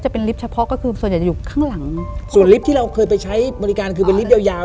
เป็นลิฟต์ที่เราเคยไปใช้บริการคือเป็นลิฟต์ยาว